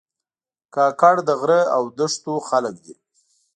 کاکړ د غره او دښتو خلک دي.